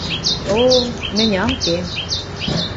– О, мӹнь ам ке...